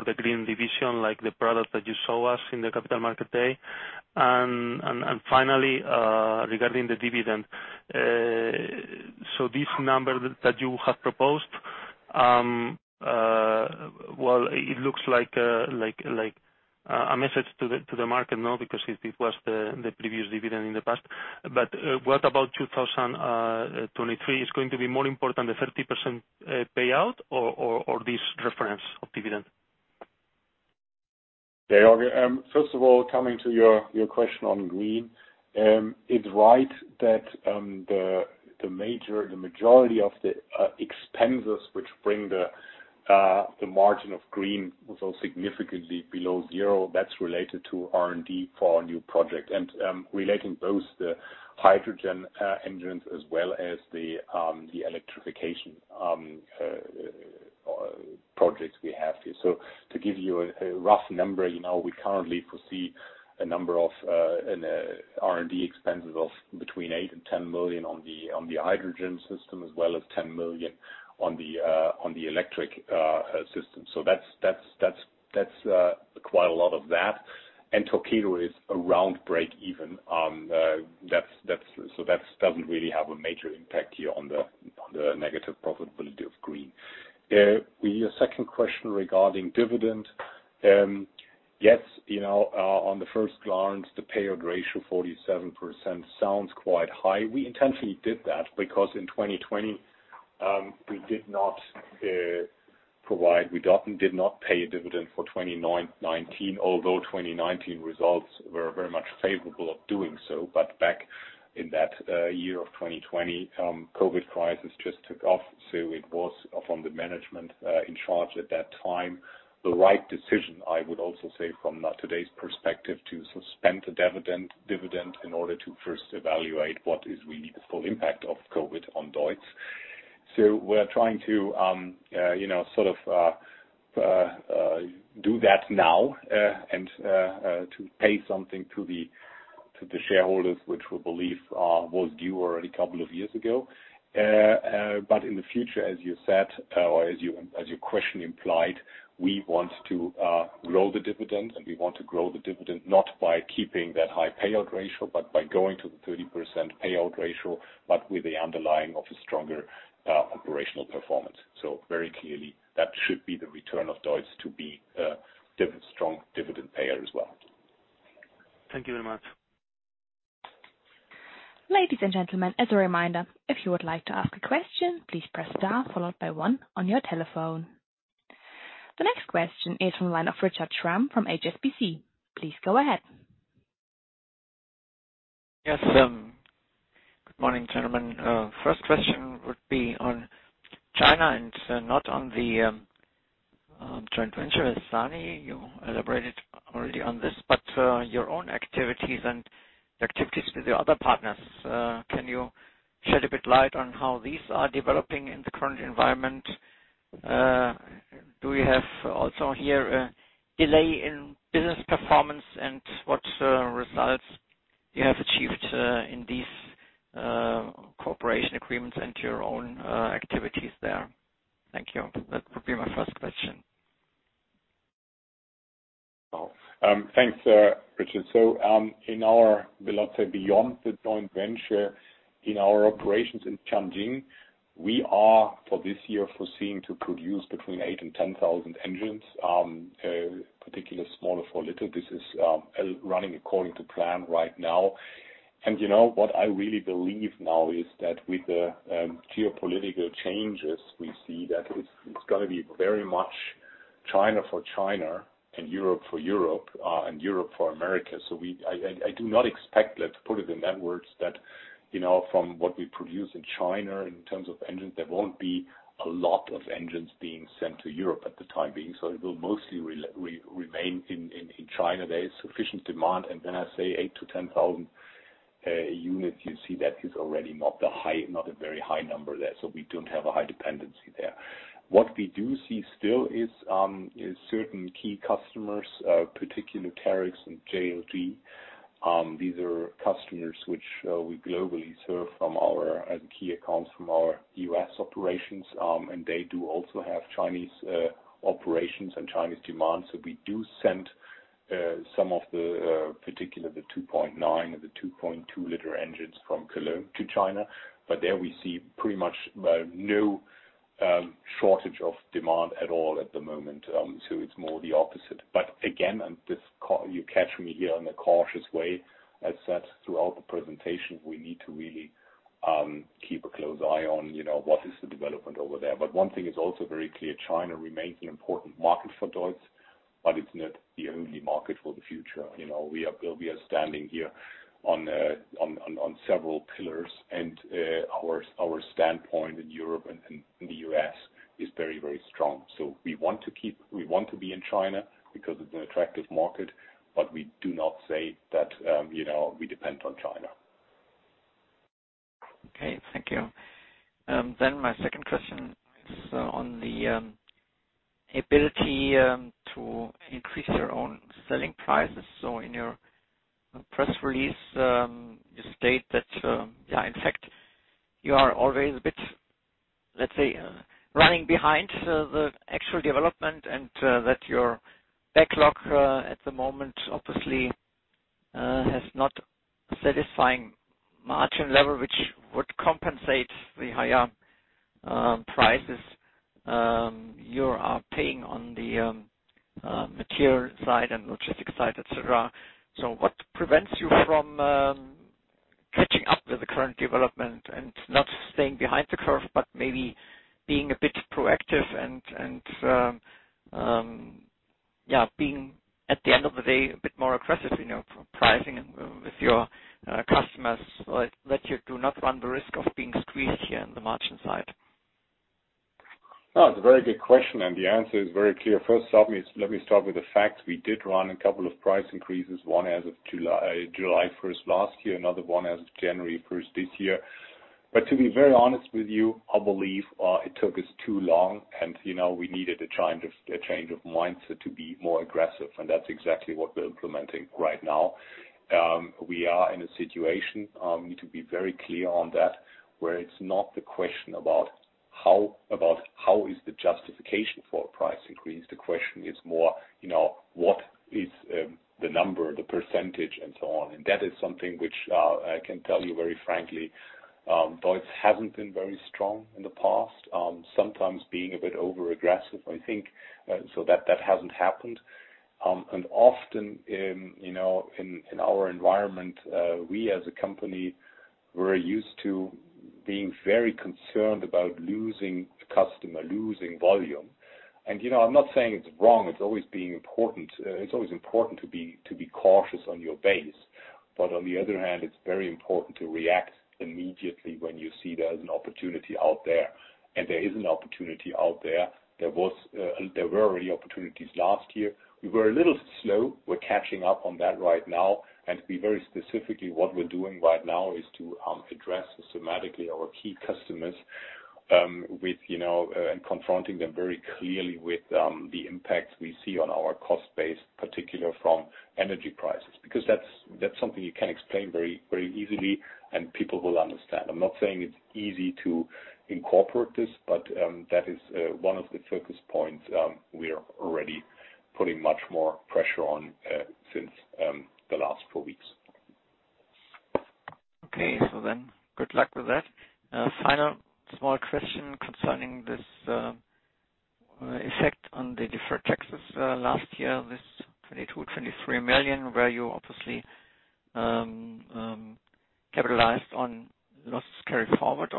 the green division, like the product that you saw us in the capital market day? Finally, regarding the dividend, this number that you have proposed, it looks like a message to the market now because it was the previous dividend in the past. What about 2023? Is it going to be more important, the 30% payout, or this reference of dividend? Yeah, Yoga. First of all, coming to your question on green, it's right that the majority of the expenses which bring the margin of green so significantly below zero, that's related to R&D for our new project. Relating both the hydrogen engines as well as the electrification projects we have here. To give you a rough number, we currently foresee a number of R&D expenses of between 8 million and 10 million on the hydrogen system as well as 10 million on the electric system. That is quite a lot of that. Torqeedo is around break even. That does not really have a major impact here on the negative profitability of green. Your second question regarding dividend, yes, on the first glance, the payout ratio, 47%, sounds quite high. We intentionally did that because in 2020, we did not provide, we did not pay a dividend for 2019, although 2019 results were very much favorable of doing so. Back in that year of 2020, the COVID crisis just took off. It was from the management in charge at that time, the right decision, I would also say, from today's perspective to suspend the dividend in order to first evaluate what is really the full impact of COVID on DEUTZ. We are trying to sort of do that now and to pay something to the shareholders, which we believe was due already a couple of years ago. In the future, as you said, or as your question implied, we want to grow the dividend. We want to grow the dividend not by keeping that high payout ratio, but by going to the 30% payout ratio, but with the underlying of a stronger operational performance. Very clearly, that should be the return of DEUTZ to be a strong dividend payer as well. Thank you very much. Ladies and gentlemen, as a reminder, if you would like to ask a question, please press star followed by one on your telephone. The next question is from a line of Richard Schramm from HSBC. Please go ahead. Yes. Good morning, gentlemen. First question would be on China and not on the joint venture with SANY. You elaborated already on this, but your own activities and the activities with your other partners, can you shed a bit light on how these are developing in the current environment? Do you have also here a delay in business performance and what results you have achieved in these cooperation agreements and your own activities there? Thank you. That would be my first question. Thanks, Richard. In our, let's say, beyond the joint venture, in our operations in Changjing, we are for this year foreseeing to produce between 8,000 and 10,000 engines, particularly smaller for little. This is running according to plan right now. What I really believe now is that with the geopolitical changes, we see that it's going to be very much China for China and Europe for Europe and Europe for America. I do not expect, let's put it in that words, that from what we produce in China in terms of engines, there won't be a lot of engines being sent to Europe at the time being. It will mostly remain in China. There is sufficient demand. When I say 8,000 units-10,000 units, you see that is already not a very high number there. We don't have a high dependency there. What we do see still is certain key customers, particularly Terex and JLG. These are customers which we globally serve from our key accounts from our U.S. operations. They do also have Chinese operations and Chinese demand. We do send some of the, particularly the 2.9 and the 2.2-liter engines from Cologne to China. There we see pretty much no shortage of demand at all at the moment. It is more the opposite. You catch me here in a cautious way. As said throughout the presentation, we need to really keep a close eye on what is the development over there. One thing is also very clear. China remains an important market for DEUTZ, but it is not the only market for the future. We are standing here on several pillars. Our standpoint in Europe and the U.S. is very, very strong. We want to keep, we want to be in China because it's an attractive market, but we do not say that we depend on China. Okay. Thank you. My second question is on the ability to increase your own selling prices. In your press release, you state that, yeah, in fact, you are always a bit, let's say, running behind the actual development and that your backlog at the moment, obviously, has not a satisfying margin level, which would compensate the higher prices you are paying on the material side and logistics side, etc. What prevents you from catching up with the current development and not staying behind the curve, but maybe being a bit proactive and, yeah, being at the end of the day a bit more aggressive in your pricing with your customers so that you do not run the risk of being squeezed here on the margin side? Oh, it's a very good question. The answer is very clear. First, let me start with the facts. We did run a couple of price increases, one as of July 1st last year, another one as of January 1st this year. To be very honest with you, I believe it took us too long. We needed a change of mindset to be more aggressive. That's exactly what we're implementing right now. We are in a situation—we need to be very clear on that—where it's not the question about how is the justification for a price increase. The question is more, what is the number, the percentage, and so on. That is something which I can tell you very frankly, DEUTZ hasn't been very strong in the past, sometimes being a bit over-aggressive. I think so that hasn't happened. Often, in our environment, we as a company, we're used to being very concerned about losing customer, losing volume. I'm not saying it's wrong. It's always been important. It's always important to be cautious on your base. On the other hand, it's very important to react immediately when you see there's an opportunity out there. There is an opportunity out there. There were already opportunities last year. We were a little slow. We're catching up on that right now. To be very specific, what we're doing right now is to address systematically our key customers and confronting them very clearly with the impacts we see on our cost base, particularly from energy prices. That is something you can explain very easily, and people will understand. I'm not saying it's easy to incorporate this, but that is one of the focus points we are already putting much more pressure on since the last four weeks. Okay. Good luck with that. Final small question concerning this effect on the deferred taxes last year, this 22 million-23 million, where you obviously capitalized on losses carried forward.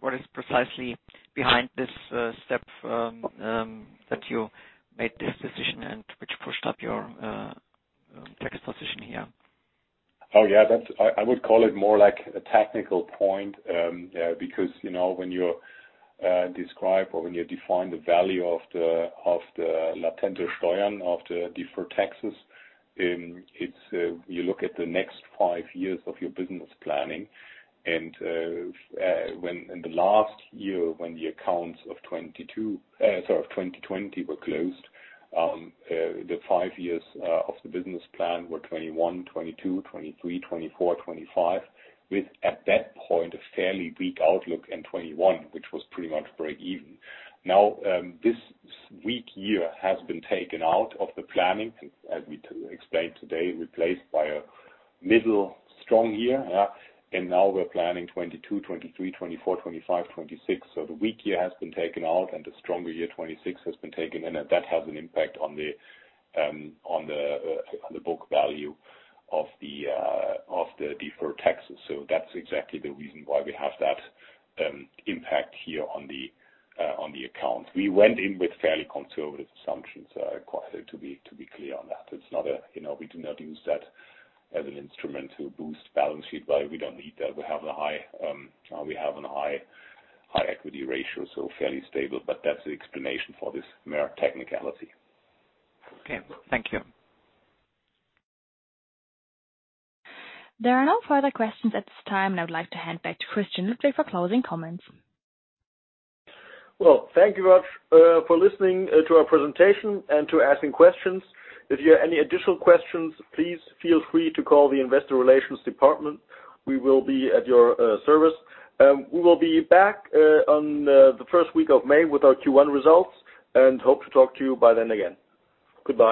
What is precisely behind this step that you made this decision and which pushed up your tax position here? Oh, yeah. I would call it more like a technical point because when you describe or when you define the value of the Latente Steuern, of the deferred taxes, you look at the next five years of your business planning. In the last year, when the accounts of 2020 were closed, the five years of the business plan were 2021, 2022, 2023, 2024, 2025, with at that point a fairly weak outlook in 2021, which was pretty much break-even. Now, this weak year has been taken out of the planning. As we explained today, it is replaced by a middle strong year. Now we are planning 2022, 2023, 2024, 2025, 2026. The weak year has been taken out, and the stronger year 2026 has been taken in. That has an impact on the book value of the deferred taxes. That is exactly the reason why we have that impact here on the accounts. We went in with fairly conservative assumptions, to be clear on that. It is not a—we do not use that as an instrument to boost balance sheet value. We do not need that. We have a high—we have a high equity ratio, so fairly stable. That is the explanation for this mere technicality. Okay. Thank you. There are no further questions at this time, and I would like to hand back to Christian Ludwig for closing comments. Thank you very much for listening to our presentation and for asking questions. If you have any additional questions, please feel free to call the investor relations department. We will be at your service. We will be back in the first week of May with our Q1 results and hope to talk to you by then again. Goodbye.